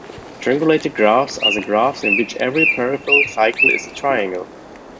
Strangulated graphs are the graphs in which every peripheral cycle is a triangle.